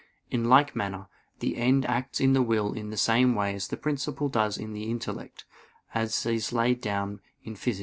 In like manner, the end acts in the will in the same way as the principle does in the intellect, as is laid down in _Phys.